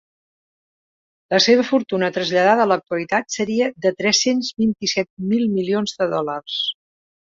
La seva fortuna traslladada a l’actualitat seria de tres-cents vint-i-set mil milions de dòlars.